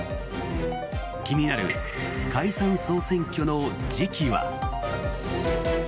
気になる解散・総選挙の時期は。